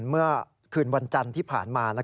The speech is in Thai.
เมื่อคืนวันจันทร์ที่ผ่านมา